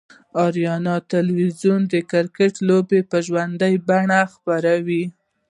آریانا تلویزیون دکرکټ لوبې به ژوندۍ بڼه خپروي